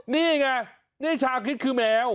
นี่ไงนี่ชาคิดคือแมว